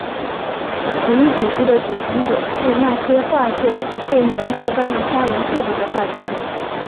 此一组织的组成者是那些画作被年度巴黎沙龙退回的画家们。